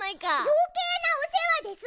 よけいなおせわです！